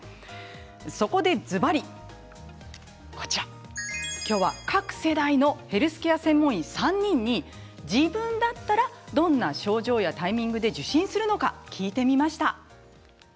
そこで、ずばり各世代のヘルスケア専門医３人に自分だったら、どんな症状やタイミングで受診するのか聞いてみました。